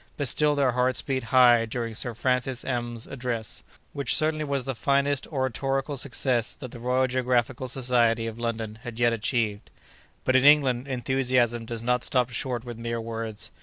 But still their hearts beat high during Sir Francis M——'s address, which certainly was the finest oratorical success that the Royal Geographical Society of London had yet achieved. But, in England, enthusiasm does not stop short with mere words.